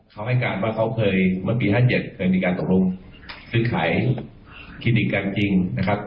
เขาให้การว่าเขาเคยเมื่อปี๕๗เคยมีการตกลงซื้อขายคลินิกกันจริงนะครับ